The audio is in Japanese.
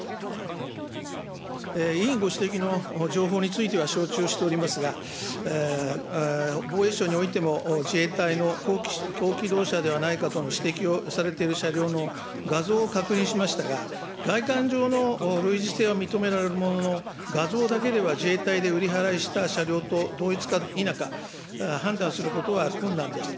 委員ご指摘の情報については承知をしておりますが、防衛省においても、自衛隊の高機動車ではないかとの指摘をされている車両の画像を確認しましたが、外観上の類似性は認められるものの、画像だけでは、自衛隊で売り払いした車両と同一か否か、判断することは困難です。